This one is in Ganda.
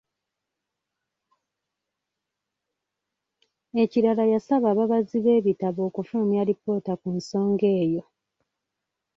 Ekirala yasaba ababazi b'ebitabo okufulumya alipoota ku nsonga eyo.